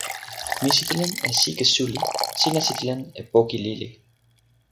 mi sitelen e sike suli. sina sitelen e poki lili.